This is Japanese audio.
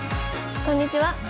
こんにちは。